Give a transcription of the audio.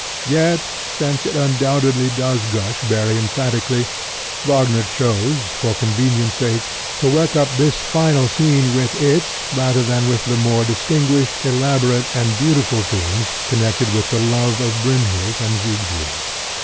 Yet, since it undoubtedly does gush very emphatically, Wagner chose, for convenience' sake, to work up this final scene with it rather than with the more distinguished, elaborate and beautiful themes connected with the love of Brynhild and Siegfried.